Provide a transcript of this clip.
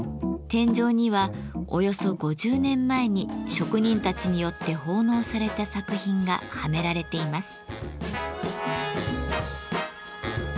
天井にはおよそ５０年前に職人たちによって奉納された作品がはめられています。